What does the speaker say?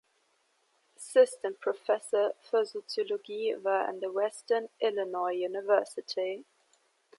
Assistant Professor für Soziologie war er an der Western Illinois University.